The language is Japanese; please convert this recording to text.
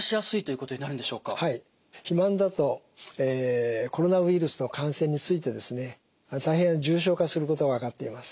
はい肥満だとコロナウイルスの感染についてですね大変重症化することが分かっています。